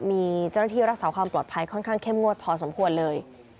มีเจ้าหน้าที่รักษาความปลอดภัยค่อนข้างเข้มงวดพอสมควรเลย